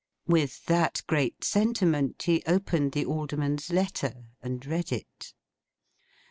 With that great sentiment, he opened the Alderman's letter; and read it.